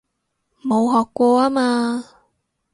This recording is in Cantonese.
冇學過吖嘛